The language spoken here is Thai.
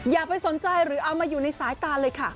อย่าไปสนใจหรือเอามาอยู่ในสายตาเลยค่ะ